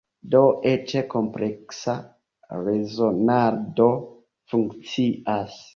Do eĉ kompleksa rezonado funkcias.